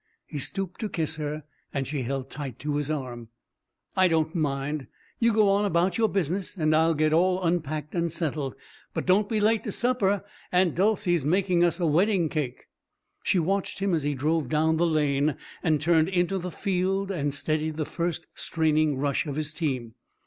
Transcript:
He stooped to kiss her, and she held tight to his arm. "I don't mind. You go on about your business and I'll get all unpacked and settled. But don't be late to supper Aunt Dolcey's making us a wedding cake." She watched him as he drove down the lane and turned into the field and steadied the first straining rush of his team.